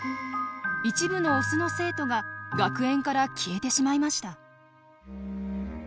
一部のオスの生徒が学園から消えてしまいました。